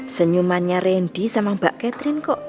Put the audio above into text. aduh senyumannya rendy sama mbak catherine kok